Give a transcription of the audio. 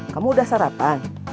kamu udah sarapan